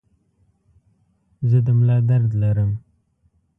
زه د ملا درد لرم.